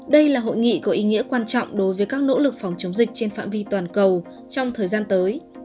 đây là hội nghị có ý nghĩa quan trọng đối với các nỗ lực phòng chống dịch trên phạm vi toàn cầu trong thời gian tới